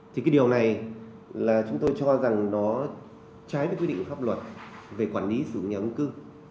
thì cái điều này là chúng tôi cho rằng nó trái với quy định pháp luật về quản lý sử dụng nhà ứng cư